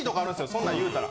そんなん言うたら。